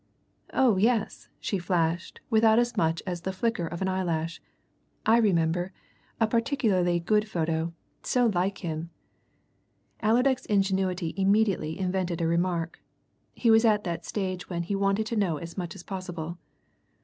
"Oh yes!" she flashed, without as much as the flicker of an eyelash. "I remember a particularly good photo. So like him!" Allerdyke's ingenuity immediately invented a remark; he was at that stage when, he wanted to know as much as possible.